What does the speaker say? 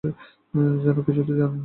যেন কিছুই জানেন না।